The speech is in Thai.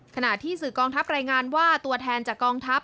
ขณะที่สื่อกองทัพรายงานว่าตัวแทนจากกองทัพ